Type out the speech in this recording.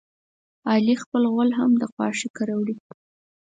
علي خپل غول هم د خواښې کره وړي.